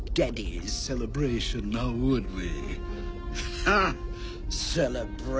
ハッ！